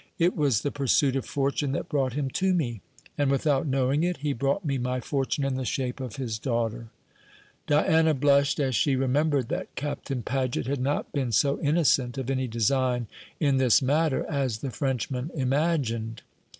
It was the pursuit of fortune that brought him to me; and without knowing it, he brought me my fortune in the shape of his daughter." Diana blushed as she remembered that Captain Paget had not been so innocent of any design in this matter as the Frenchman imagined.